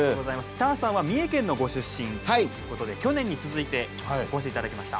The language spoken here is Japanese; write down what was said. チャンさんは三重県のご出身ということで去年に続いてお越しいただきました。